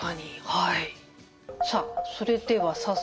はい。